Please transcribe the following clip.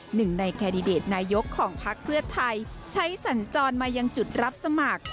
หนึ่งในแคนดิเดตนายกของพักเพื่อไทยใช้สัญจรมายังจุดรับสมัคร